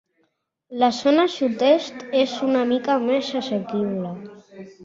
La zona sud-est és una mica més assequible.